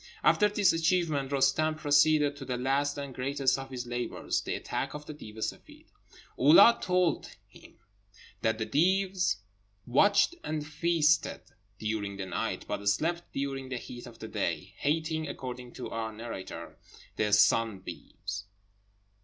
After this achievement Roostem proceeded to the last and greatest of his labours, the attack of the Deev e Seffeed. Oulâd told him that the Deevs watched and feasted during the night, but slept during the heat of the day, hating (according to our narrator) the sunbeams.